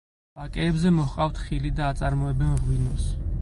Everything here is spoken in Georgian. ვაკეებზე მოჰყავთ ხილი და აწარმოებენ ღვინოს.